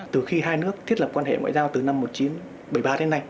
từ khi hai nước thiết lập quan hệ ngoại giao từ năm một nghìn chín trăm bảy mươi ba đến nay